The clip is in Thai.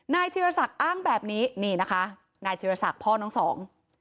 ธีรศักดิ์อ้างแบบนี้นี่นะคะนายธิรศักดิ์พ่อน้องสอง